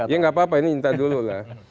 ya nggak apa apa ini cinta dulu lah